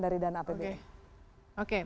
dari dana apb oke